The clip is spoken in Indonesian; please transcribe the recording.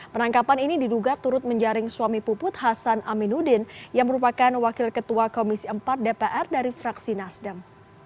penangkapan ini diduga turut menjaring suami puput hasan aminuddin yang merupakan wakil ketua komisi empat dpr dari fraksi nasdem